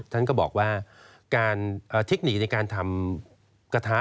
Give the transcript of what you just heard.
ท่านก็บอกว่าการเทคนิคในการทำกระทะ